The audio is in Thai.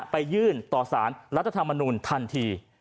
ไปยื่นต่อสารรัฐธรรมนูลทันที